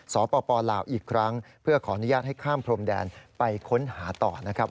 สปลาวอีกครั้งเพื่อขออนุญาตให้ข้ามพรมแดนไปค้นหาต่อนะครับ